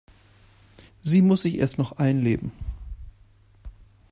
Sie muss sich erst noch einleben.